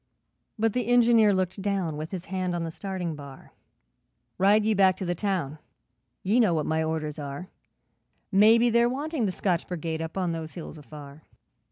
But the Engineer looked down, With his hand on the starting bar, 'Ride ye back to the town, Ye know what my orders are, Maybe they're wanting the Scotch Brigade Up on those hills afar.